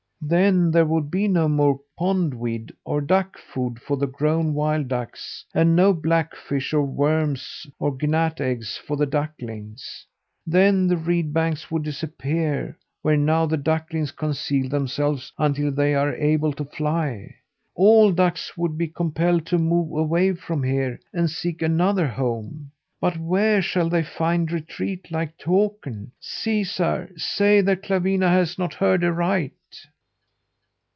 Then there would be no more pondweed or duck food for the grown wild ducks, and no blackfish or worms or gnat eggs for the ducklings. Then the reed banks would disappear where now the ducklings conceal themselves until they are able to fly. All ducks would be compelled to move away from here and seek another home. But where shall they find a retreat like Takern? Caesar, say that Clawina has not heard aright!"